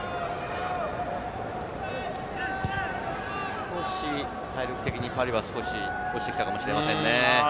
少し体力的にパリは少し落ちてきたかもしれないですね。